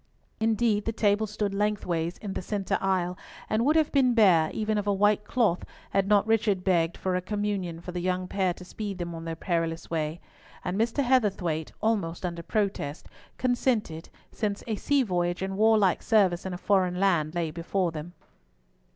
Indeed the table stood lengthways in the centre aisle, and would have been bare, even of a white cloth, had not Richard begged for a Communion for the young pair to speed them on their perilous way, and Mr. Heatherthwayte—almost under protest—consented, since a sea voyage and warlike service in a foreign land lay before them.